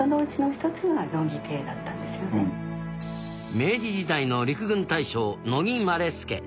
明治時代の陸軍大将乃木希典。